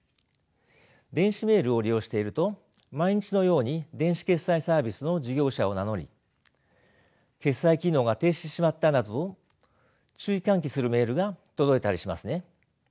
電子メールを利用していると毎日のように電子決済サービスの事業者を名乗り決済機能が停止してしまったなどと注意喚起するメールが届いたりしますね。